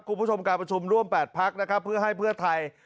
คุณผู้ชมการประชุมร่วม๘พักนะครับเพื่อให้เพื่อไทย